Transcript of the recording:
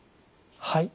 はい。